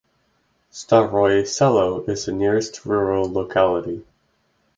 Staroye Selo is the nearest rural locality.